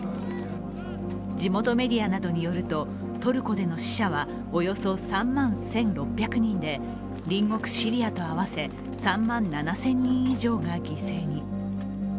地元メディアなどによるとトルコでの死者はおよそ３万１６００人で隣国シリアと合わせ３万７０００人以上が犠牲に。